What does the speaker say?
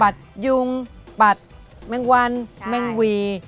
ยุงปัดแมงวันแม่งวี